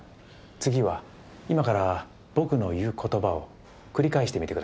次は今から僕の言う言葉を繰り返してみてください。